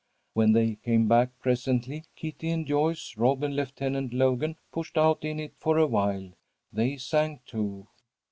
When they came back presently, Kitty and Joyce, Rob and Lieutenant Logan pushed out in it for awhile. They sang too.